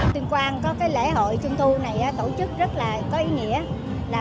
tuyên quang có lễ hội trung thu này tổ chức rất là có ý nghĩa